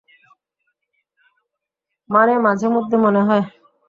মানে, মাঝেমধ্যে মনে হয়।